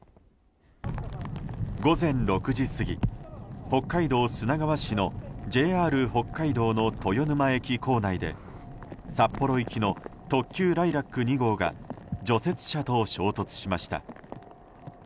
午前６時過ぎ、北海道砂川市のＪＲ北海道の豊沼駅構内で札幌行きの特急「ライラック２号」が除雪車と衝突しました。